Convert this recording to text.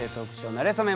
なれそめ」